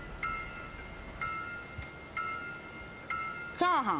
チャーハン。